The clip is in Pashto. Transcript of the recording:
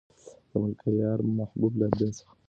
د ملکیار محبوب له ده څخه لرې و که نږدې؟